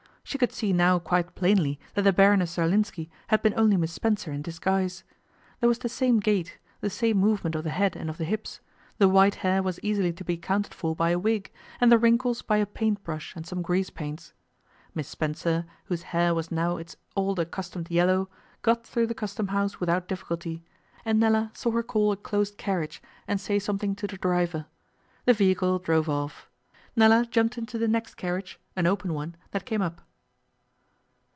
She could see now quite plainly that the Baroness Zerlinski had been only Miss Spencer in disguise. There was the same gait, the same movement of the head and of the hips; the white hair was easily to be accounted for by a wig, and the wrinkles by a paint brush and some grease paints. Miss Spencer, whose hair was now its old accustomed yellow, got through the Custom House without difficulty, and Nella saw her call a closed carriage and say something to the driver. The vehicle drove off. Nella jumped into the next carriage an open one that came up.